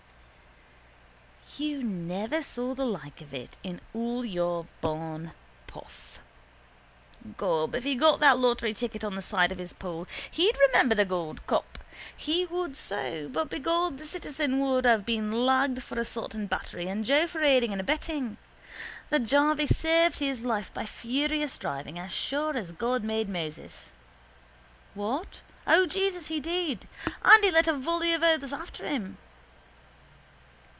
You never saw the like of it in all your born puff. Gob, if he got that lottery ticket on the side of his poll he'd remember the gold cup, he would so, but begob the citizen would have been lagged for assault and battery and Joe for aiding and abetting. The jarvey saved his life by furious driving as sure as God made Moses. What? O, Jesus, he did. And he let a volley of oaths after him.